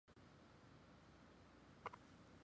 封崇寺的历史年代为明代。